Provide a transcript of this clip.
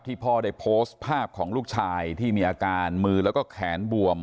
พ่อได้โพสต์ภาพของลูกชายที่มีอาการมือแล้วก็แขนบวม